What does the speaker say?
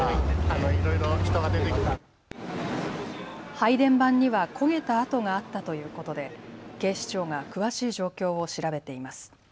配電盤には焦げた跡があったということで警視庁が詳しい状況を調べています。